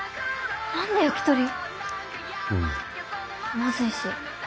まずいし。